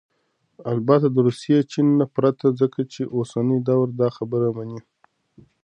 البته دروسي ، چين ... نه پرته ، ځكه چې اوسنى دور داخبره مني